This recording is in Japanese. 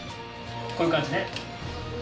こういう感じね。